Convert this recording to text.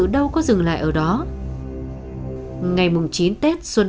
dương vẫn bảo với mẹ rằng